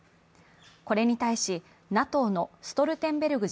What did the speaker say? これに対し、ＮＡＴＯのストルテンベルグ